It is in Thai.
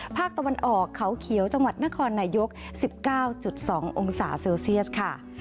ภาคตะวันออกเขาเขียวจังหวัดนครนายก๑๙๒องศาเซลเซียสค่ะ